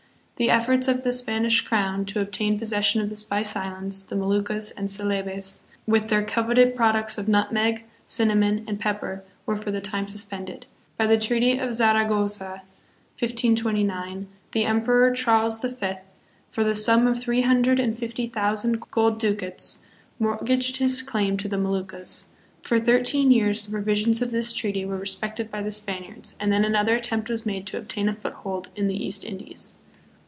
The efforts of the Spanish crown to obtain possession of the Spice Islands, the Moluccas and Celebes, with their coveted products of nutmeg, cinnamon, and pepper, were for the time suspended. By the Treaty of Zaragoza (1529) the Emperor, Charles V., for the sum of three hundred and fifty thousand gold ducats, mortgaged his claim to the Moluccas. For thirteen years the provisions of this treaty were respected by the Spaniards, and then another attempt was made to obtain a foothold in the East Indies.